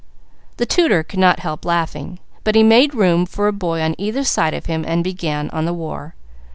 The tutor could not help laughing; but he made room for a boy on either side of him, and began on the war.